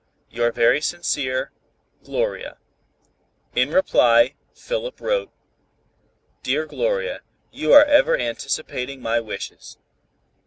"Your very sincere, "GLORIA." In reply Philip wrote: "Dear Gloria: You are ever anticipating my wishes.